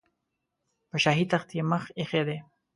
په شاهي تخت یې مخ ایښی دی.